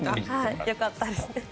よかったですね。